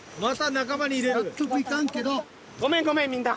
ごめんごめんみんな。